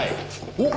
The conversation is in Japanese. おっ！